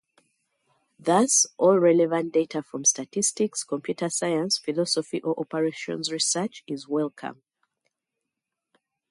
Thus, all relevant data from statistics, computer science, philosophy or operations research is welcome.